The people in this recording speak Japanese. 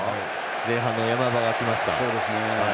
前半の山場が来ました。